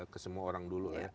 ke semua orang dulu